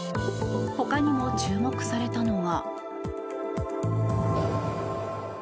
ほかにも注目されたのが。